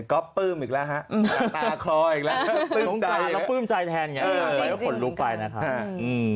ก็ปลื้มอีกแล้วฮะตาตาคออีกแล้วปลื้มใจแทนอย่างงี้ก็ขนลุกไปนะครับ